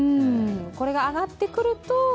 これが上がってくると？